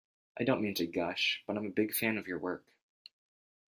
I don't mean to gush, but I'm a big fan of your work.